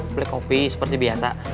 beli kopi seperti biasa